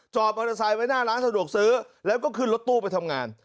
มอเตอร์ไซค์ไว้หน้าร้านสะดวกซื้อแล้วก็ขึ้นรถตู้ไปทำงาน